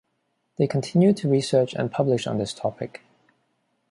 They continue to research and publish on this topic.